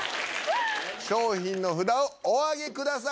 商品の札をお上げください。